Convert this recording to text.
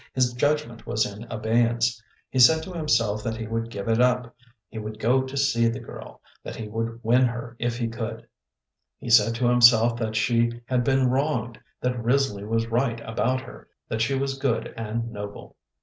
His judgment was in abeyance. He said to himself that he would give it up; he would go to see the girl that he would win her if he could. He said to himself that she had been wronged, that Risley was right about her, that she was good and noble.